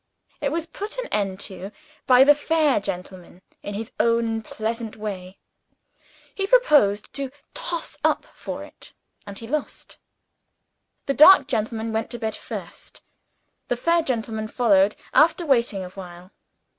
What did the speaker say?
It was put an end to by the fair gentleman, in his own pleasant way. He proposed to "toss up for it" and he lost. The dark gentleman went to bed first; the fair gentleman followed, after waiting a while.